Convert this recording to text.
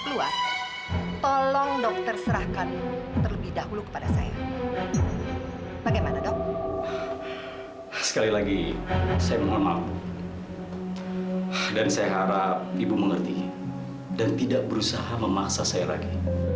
jangan jangan kamu kesini